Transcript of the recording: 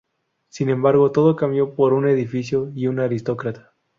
Sin embargo todo cambió por un edificio y un aristócrata.